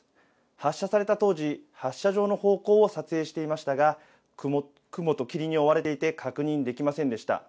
発射された当時、発射場の方向を撮影していましたが、雲と霧に覆われていて、確認できませんでした。